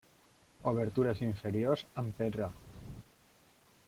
Obertures inferiors amb pedra.